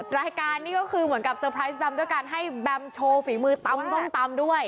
รายการนี้ก็คือเหมือนกับเตอร์ไพรส์แบมด้วยการให้แบมโชว์ฝีมือตำส้มตำด้วย